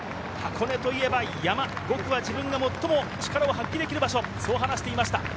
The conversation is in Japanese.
我、箱根といえば山、自分の最も力を発揮できる場所と話していました。